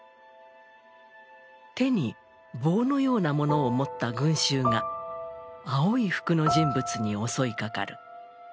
手に棒のようなものを持った群衆が青い服の人物に襲いかかる。